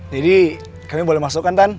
jadi kami boleh masukkan tan